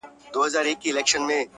څه ته مي زړه نه غواړي’